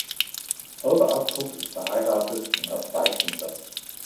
Holger Astrup ist verheiratet und hat zwei Kinder.